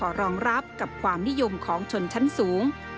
รองรับกับความนิยมของชนชั้นสูง